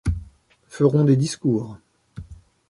Feront des discours